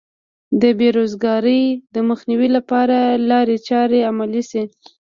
د بې روزګارۍ د مخنیوي لپاره لارې چارې عملي شي.